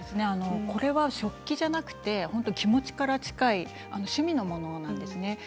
これは食器じゃなくて気持ちから近い趣味の物なんですね。